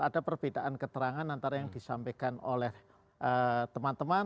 ada perbedaan keterangan antara yang disampaikan oleh teman teman